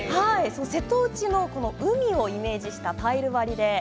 瀬戸内の海をイメージしたタイル張りです。